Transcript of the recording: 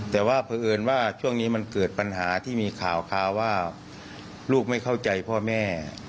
แต่ว่าเผอิญว่าช่วงนี้มันเกิดปัญหาที่มีข่าวว่าลูกไม่เข้าใจพ่อแม่